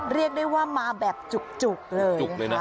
เรียกได้ว่ามาแบบจุกเลยค่ะ